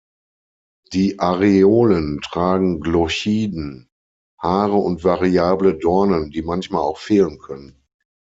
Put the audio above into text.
Die Areolen tragen Glochiden, Haare und variable Dornen, die manchmal auch fehlen können.